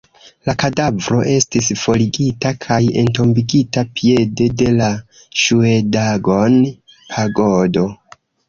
La kadavro estis forigita kaj entombigita piede de la Ŝŭedagon-pagodo.